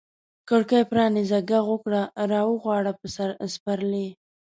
کړکۍ پرانیزه، ږغ وکړه را وغواړه سپرلي